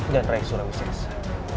dan rai surawi sese